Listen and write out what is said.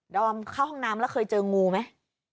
อมเข้าห้องน้ำแล้วเคยเจองูไหม